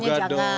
enggak juga dong